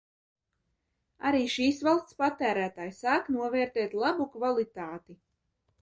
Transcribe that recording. Arī šīs valsts patērētāji sāk novērtēt labu kvalitāti.